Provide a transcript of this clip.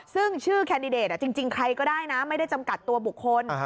ซึ่งชื่อแคนดิเดตจริงใครก็ได้นะไม่ได้จำกัดตัวบุคคล